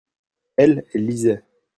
elle, elle lisait.